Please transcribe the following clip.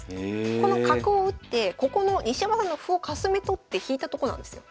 この角を打ってここの西山さんの歩をかすめ取って引いたとこなんですよ。